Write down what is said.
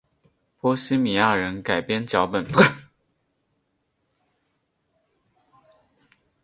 波希米亚人改编脚本。